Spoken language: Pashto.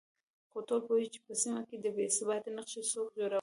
خو ټول پوهېږو چې په سيمه کې د بې ثباتۍ نقشې څوک جوړوي